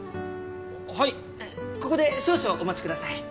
はいここで少々お待ちください。